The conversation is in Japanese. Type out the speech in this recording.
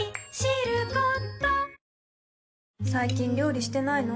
最近料理してないの？